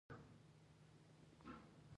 ارغستان انار ښه دي؟